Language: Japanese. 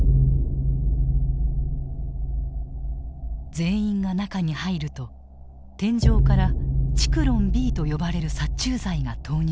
全員が中に入ると天井からチクロンＢと呼ばれる殺虫剤が投入された。